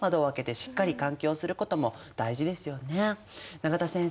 永田先生